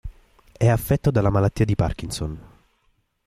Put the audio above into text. È affetto dalla malattia di Parkinson.